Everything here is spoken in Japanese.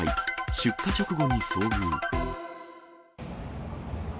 出火直後に遭遇。